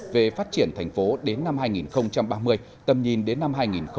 về phát triển thành phố đến năm hai nghìn ba mươi tầm nhìn đến năm hai nghìn bốn mươi năm